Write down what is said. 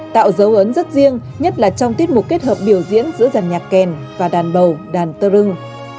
tạo dấu ấn rất riêng nhất là trong tiết mục kết hợp biểu diễn giữa dàn nhạc kèn và đàn bầu đàn tơ rừng